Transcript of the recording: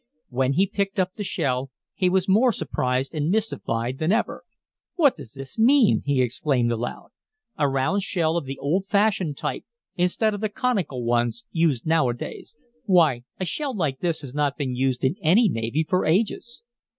When he picked up the shell he was more surprised and mystified than ever. "What does this mean?" he exclaimed aloud. "A round shell of the old fashioned type instead of the conical ones used nowadays! Why, a shell like this has not been used in any navy for ages!"